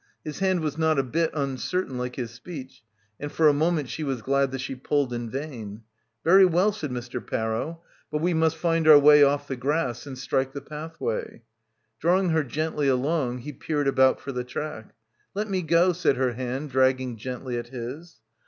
His hand was not a bit uncertain like his speech, and for a moment she was glad that she pulled in vain. "Very well," said Mr. Parrow, "but we must find our way off the grass and strike the pathway." Drawing her gently along, he peered about for the track. "Let me go," said her hand dragging gently at his.